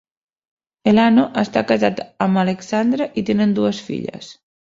Elano està casat amb Alexandra i tenen dues filles.